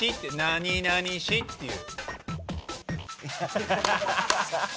何々市っていう。